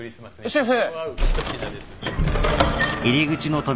シェフ！